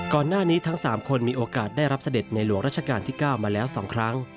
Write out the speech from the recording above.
ก่อนหน้านี้ทั้งสามคนมีโอกาสได้รับเสด็จในหลวงรัชกาลที่เก้ามาแล้วสองครั้ง